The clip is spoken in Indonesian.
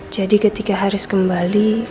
jadi ketika haris kembali